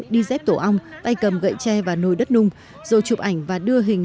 đi dép tổ ong tay cầm gậy tre và nồi đất nung rồi chụp ảnh và đưa hình